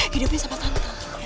hidupnya sama tante